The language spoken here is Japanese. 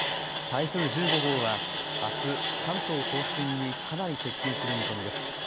台風１５号はあす関東甲信にかなり接近する見込みです。